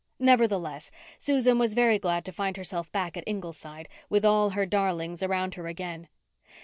Nevertheless, Susan was very glad to find herself back at Ingleside, with all her darlings around her again.